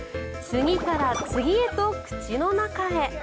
次から次へと口の中へ。